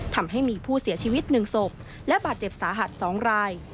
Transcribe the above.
ทำให้มีผู้เสียชีวิต๑ศพและบาดเจ็บสาหัส๒ราย